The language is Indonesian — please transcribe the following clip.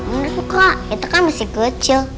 menurut kak itu kan masih kecil